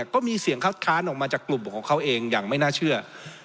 ก็มีเสียงคัดค้านออกมาจากกลุ่มของเขาเองอย่างไม่น่าเชื่อ